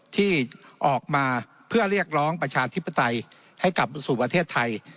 ที่ออกมาเพื่อเรียกร้องประชาธิปไตยให้กลับมาสู่ประเทศไทย